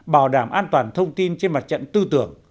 bảo đảm an toàn thông tin trên mặt trận tư tưởng